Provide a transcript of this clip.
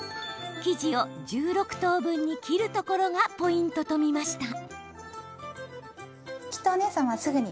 生地を１６等分に切るところがポイントと見ました。